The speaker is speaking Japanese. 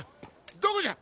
どこじゃ？